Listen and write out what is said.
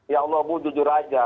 ya allah bu jujur aja